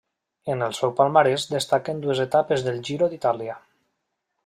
En el seu palmarès destaquen dues etapes del Giro d'Itàlia.